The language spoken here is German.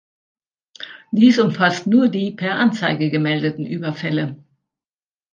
Dies umfasst nur die per Anzeige gemeldeten Überfälle.